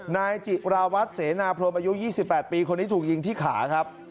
นายจิราวัตรเสนาพรมอายุ๒๘ปีคนนี้ถูกยิงที่ขาครับ